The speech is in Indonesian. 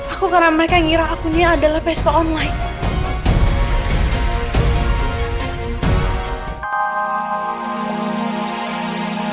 aku karena mereka yang ngira akunya adalah psk online